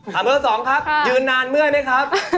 เบอร์๒ครับยืนนานเมื่อยไหมครับ